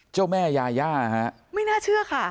เจ้าแม่ยาย่าฮะไม่น่าเชื่อค่ะ